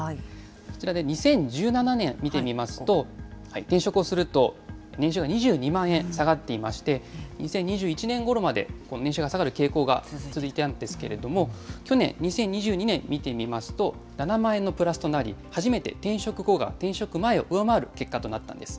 こちらで２０１７年見てみますと、転職をすると、年収が２２万円下がっていまして、２０２１年ごろまで、この年収が下がる傾向が続いていたんですけれども、去年・２０２２年を見てみますと、７万円のプラスとなり、初めて転職後が転職前を上回る結果となったんです。